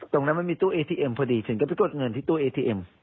มันมีตู้เอทีเอ็มพอดีฉันก็ไปกดเงินที่ตู้เอทีเอ็ม